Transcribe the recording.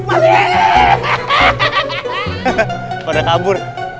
hehehe pada kabur